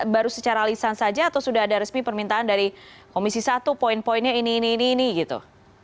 baru secara lisan saja atau sudah ada resmi permintaan dari komisi satu poin poinnya ini ini ini ini gitu